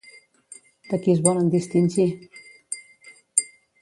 De qui es volen distingir?